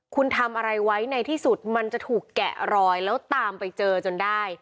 คุณทำอะไรไว้ในที่สุดมันจะถูกแกะรอยแล้วตามไปเจอจนได้